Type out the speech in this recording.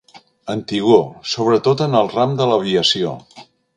Antigor, sobretot en el ram de l'aviació.